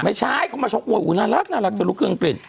มาช็อกมวยโอ้โหน่ารักอยู่รุ๊ปเครื่องงักปริ่ง